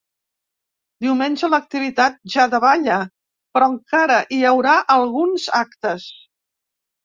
Diumenge, l’activitat ja davalla, però encara hi haurà alguns actes.